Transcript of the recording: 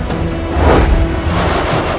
aku mau kesana